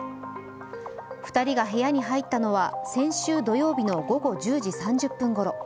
２人が部屋に入ったのは先週土曜日の午後１０時３０分ごろ。